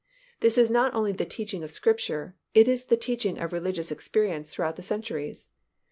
This is not only the teaching of Scripture; it is the teaching of religious experience throughout the centuries.